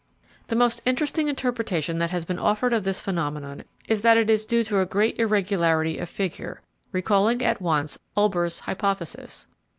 The most interesting interpretation that has been offered of this phenomenon is that it is due to a great irregularity of figure, recalling at once Olbers' hypothesis.